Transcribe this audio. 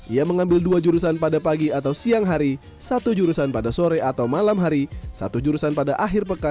ia mengambil dua jurusan pada pagi atau siang hari satu jurusan pada sore atau malam hari satu jurusan pada akhir pekan